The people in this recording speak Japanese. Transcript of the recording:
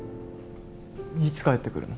いつ帰ってくるの？